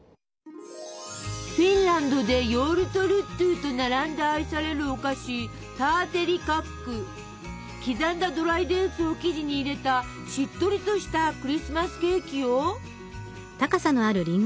フィンランドでヨウルトルットゥと並んで愛されるお菓子刻んだドライデーツを生地に入れたしっとりとしたクリスマスケーキよ！